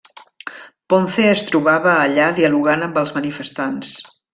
Ponce es trobava allà dialogant amb els manifestants.